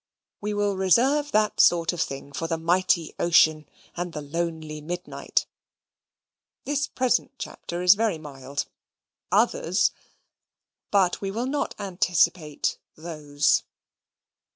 We will reserve that sort of thing for the mighty ocean and the lonely midnight. The present Chapter is very mild. Others But we will not anticipate THOSE.